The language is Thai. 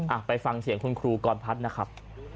ไปฟังเสียงคุณครูกรพัฒน์นะครับ